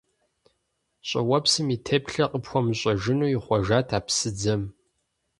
ЩӀыуэпсым и теплъэр къыпхуэмыцӀыхужыну ихъуэжат а псыдзэм.